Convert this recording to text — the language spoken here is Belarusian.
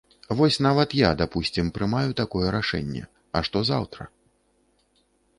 Вось нават я, дапусцім, прымаю такое рашэнне, а што заўтра?